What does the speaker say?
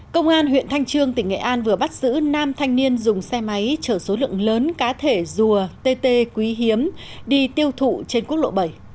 công an huyện thanh trương tỉnh nghệ an vừa bắt giữ nam thanh niên dùng xe máy chở số lượng lớn cá thể rùa tt quý hiếm đi tiêu thụ trên quốc lộ bảy